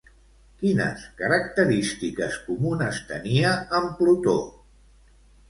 Quines característiques comunes tenia amb Plutó?